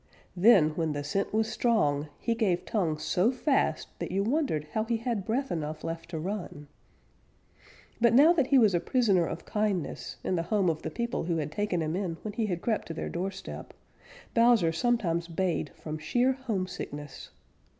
Then, when the scent was strong, he gave tongue so fast that you wondered how he had breath enough left to run. But now that he was a prisoner of kindness, in the home of the people who had taken him in when he had crept to their doorstep, Bowser sometimes bayed from sheer homesickness.